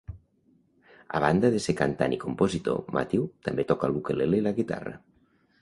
A banda de ser cantant i compositor, Matthew també toca l'ukelele i la guitarra.